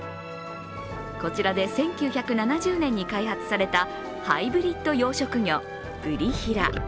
こちらで１９７０年に開発されたハイブリッド養殖魚、ブリヒラ。